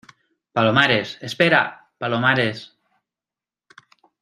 palomares, espera. palomares .